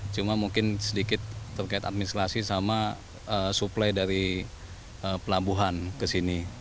cuma mungkin sedikit terkait administrasi sama suplai dari pelabuhan ke sini